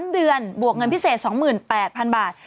๓เดือนบวกเงินพิเศษ๒๘๐๐๐บาท